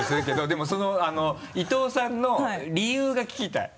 でも伊藤さんの理由が聞きたい。